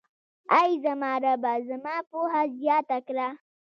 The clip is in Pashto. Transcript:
اې زما ربه، زما پوهه زياته کړه.